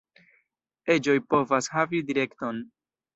Eĝoj povas havi direkton.